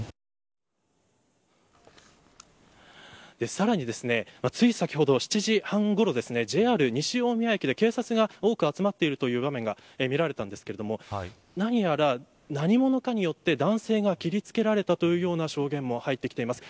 さらに、つい先ほど７時半ごろＪＲ西大宮駅で警察が多く集まっている場面が見られたんですが何やら、何者かによって男性が切りつけられたというような証言も入ってきています。